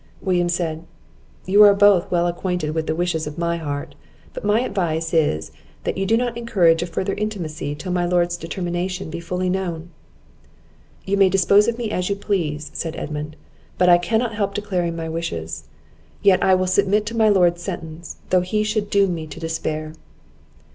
William said, "You are both well acquainted with the wishes of my heart; but my advice is, that you do not encourage a farther intimacy till my lord's determination be fully known." "You may dispose of me as you please," said Edmund; "but I cannot help declaring my wishes; yet I will submit to my Lord's sentence, though he should doom me to despair."